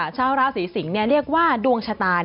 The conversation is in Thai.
ชาวราศีสิงศ์เรียกว่าดวงชะตา